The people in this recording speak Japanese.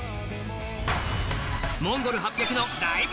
ＭＯＮＧＯＬ８００の「ライブ！